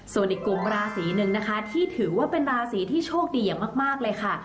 ส่วนอีกกลุ่มราศีหนึ่งนะคะที่ถือว่าเป็นราศีที่โชคดีอย่างมากเลยค่ะ